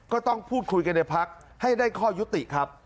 ก็ต้องพูดคุยกันในพักให้ได้ข้อยุติครับ